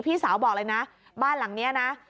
พี่สาวบอกเลยนะบ้านหลังนี้นะ